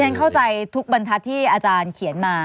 ฉันเข้าใจทุกบรรทัศน์ที่อาจารย์เขียนมา